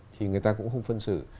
thì người ta cũng không phân xử